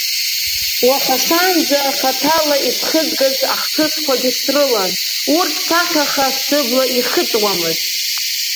Уаха шаанӡа хаҭала исхызгаз ахҭысқәагьы срылан, урҭ сахьаха сыбла ихыҵуамызт.